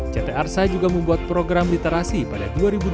ct arsa juga membuat program literasi pada dua ribu dua puluh